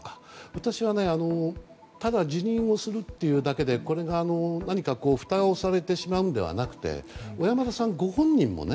私は、ただ辞任をするだけでこれがふたをされてしまうのではなくて小山田さんご本人もね